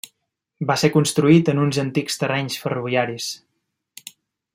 Va ser construït en uns antics terrenys ferroviaris.